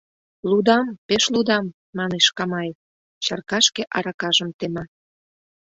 — Лудам, пеш лудам, — манеш Камаев, чаркашке аракажым тема.